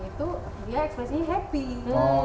itu dia ekspresinya happy